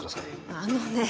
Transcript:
あのね